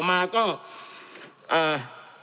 จำนวนเนื้อที่ดินทั้งหมด๑๒๒๐๐๐ไร่